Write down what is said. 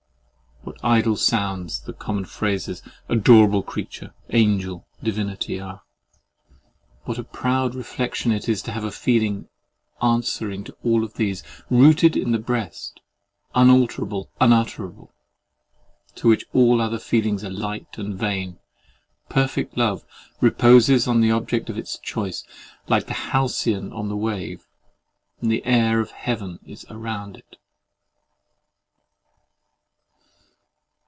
What idle sounds the common phrases, adorable creature, angel, divinity, are? What a proud reflection it is to have a feeling answering to all these, rooted in the breast, unalterable, unutterable, to which all other feelings are light and vain! Perfect love reposes on the object of its choice, like the halcyon on the wave; and the air of heaven is around it.